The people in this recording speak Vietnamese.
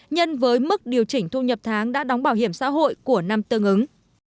nhân với mức điều chỉnh thu nhập tháng đã đóng bảo hiểm xã hội của năm tương ứng